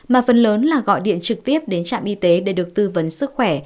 mà phần lớn là gọi điện trực tiếp đến trạm y tế để được tư vấn sức khỏe